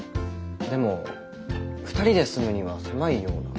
でも２人で住むには狭いような。